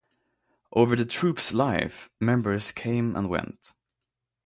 Over the troupe's life, members came and went.